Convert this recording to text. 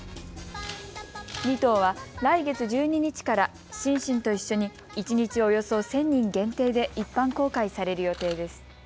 ２頭は来月１２日からシンシンと一緒に一日およそ１０００人限定で一般公開される予定です。